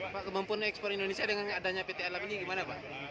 pak kemampuan ekspor indonesia dengan adanya pt alam ini gimana pak